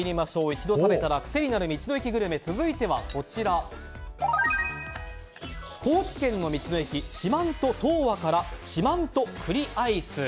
一度食べたら癖になる道の駅グルメ続いては、高知県の道の駅四万十とおわから四万十くりアイス。